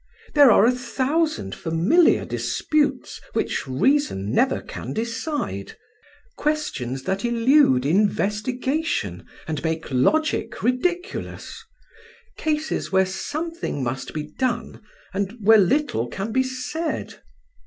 There are a thousand familiar disputes which reason never can decide; questions that elude investigation, and make logic ridiculous; cases where something must be done, and where little can be said.